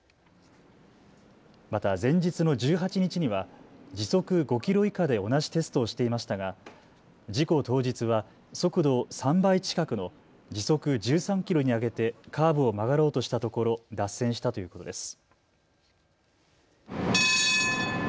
また前日の１８日には時速５キロ以下で同じテストをしていましたが事故当日は速度を３倍近くの時速１３キロに上げてカーブを曲がろうとしたところ、脱線したということです。